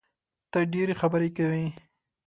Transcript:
ته ډېري خبري کوې!